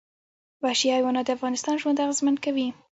وحشي حیوانات د افغانانو ژوند اغېزمن کوي.